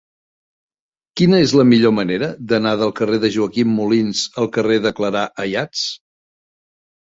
Quina és la millor manera d'anar del carrer de Joaquim Molins al carrer de Clarà Ayats?